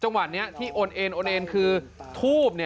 จังหวัดนี้ที่โอนเอนคือทูบ